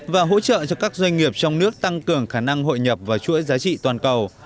và hỗ trợ cho các doanh nghiệp trong nước tăng cường khả năng hội nhập vào chuỗi giá trị toàn cầu